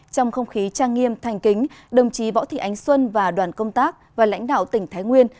trong không khí trang nghiêm thành kính đồng chí võ thị ánh xuân và đoàn công tác và lãnh đạo tỉnh thái nguyên